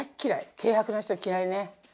軽薄な人は嫌いね。